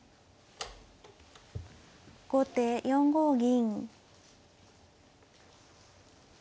後手４五銀。